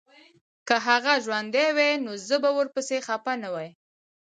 که هغه ژوندی وای نو زه به ورپسي خپه نه وای